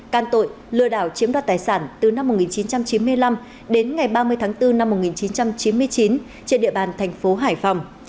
can tội lừa đảo chiếm đoạt tài sản từ năm một nghìn chín trăm chín mươi năm đến ngày ba mươi tháng bốn năm một nghìn chín trăm chín mươi chín trên địa bàn thành phố hải phòng